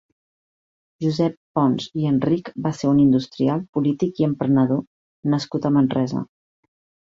Josep Pons i Enrich va ser un industrial, polític i emprenedor nascut a Manresa.